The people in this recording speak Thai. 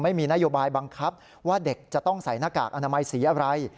ไม่มีนโยบายบังคับว่าเด็กจะต้องใส่หน้ากากอนามัยสีอะไร